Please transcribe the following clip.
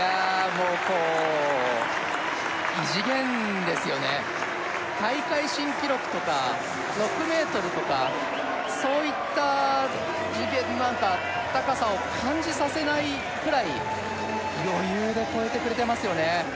もうこう異次元ですよね大会新記録とか６ｍとかそういった次元何か高さを感じさせないくらい余裕で越えてくれてますよね